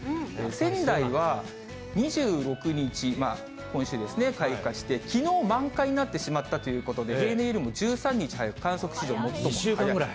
仙台は２６日、今週ですね、開花して、きのう、満開になってしまったということで、平年よりも１３日早く、観測史上最も早い。